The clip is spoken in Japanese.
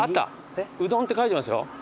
うどんって書いてますよ。